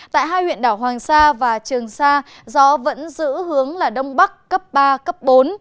tại hai huyện đảo hoàng sa và trường sa gió vẫn giữ hướng là đông bắc cấp ba cấp bốn